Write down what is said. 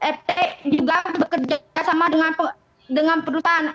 rt juga bekerja sama dengan perusahaan